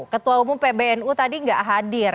ketua umum pbnu tadi nggak hadir